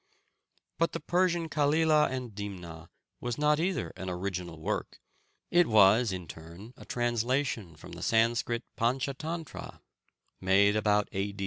But the Persian Kalilah and Dimnah was not either an original work; it was in turn a translation from the Sanskrit Pantschatantra, made about A.